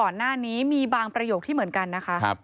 ก่อนหน้านี้มีบางประโยคที่เหมือนกันนะคะ